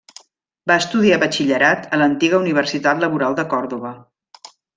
Va estudiar batxillerat a l'antiga Universitat Laboral de Còrdova.